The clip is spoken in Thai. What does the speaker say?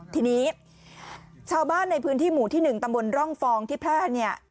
ทีนี้ชาวบ้านในพื้นที่หมู่ที่๑ตำบลร่องฟองที่แพร่เนี่ย